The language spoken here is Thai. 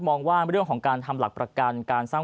มองว่าเรื่องของการทำหลักประกัน